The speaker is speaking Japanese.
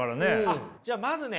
あっじゃあまずね